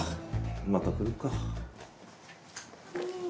また来るか。